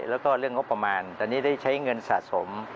แล้วก็เรื่องงบประมาณตอนนี้ได้ใช้เงินสะสม